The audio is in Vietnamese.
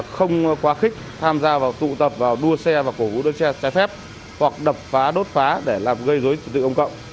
không quá khích tham gia vào tụ tập vào đua xe và cổ vũ đơn xe xe phép hoặc đập phá đốt phá để làm gây rối tự tự ông cộng